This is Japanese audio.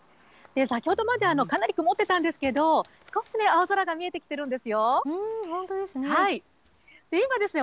先ほどまでかなり曇ってたんですけど、少し青空が見えてきてるん本当ですね。